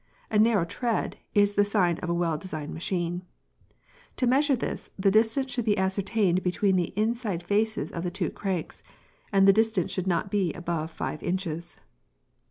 A narrow "tread" is the sign of a well designed machine. To measure this, the distance should be ascertained between the inside faces of the two cranks, and this distance should not be above five inches.